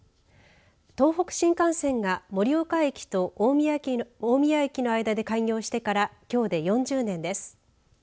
東北新幹線が盛岡駅と大宮駅の間で開業してからきょうで４０年です。